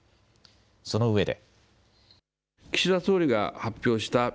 そのうえで。